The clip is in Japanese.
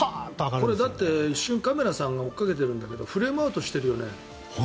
これ一瞬カメラさんが追いかけているけどフレームアウトしているよね。